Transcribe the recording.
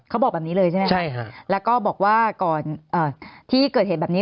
เขาบอกแบบนี้เลยใช่ไหมครับแล้วก็บอกว่าก่อนที่เกิดเหตุแบบนี้